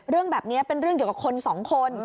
เรื่องแบบนี้เป็นเรื่องเกี่ยวกับคนสองคน